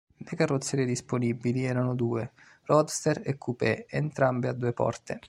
Le carrozzerie disponibili erano due, roadster e coupé, entrambe a due porte.